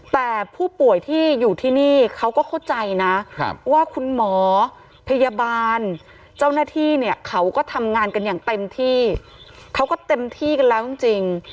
แต่ผู้ป่วยที่อยู่ที่นี่เขาก็เข้าใจนะว่าคุณหมอพยาบาลเจ้าหน้าที่เนี่ยเขาก็ทำงานกันอย่างเต็มที่เขาก็เต็มที่กันแล้วจริง